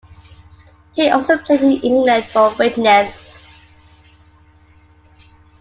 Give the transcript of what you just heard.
He also played in England for Widnes.